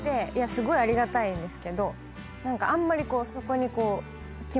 すごいありがたいんですけど何かあんまりそこにこう。